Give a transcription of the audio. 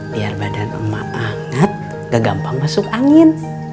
biar badan emak emak gak gampang masuk angin